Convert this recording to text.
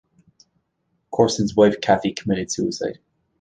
Courson's wife Cathy committed suicide.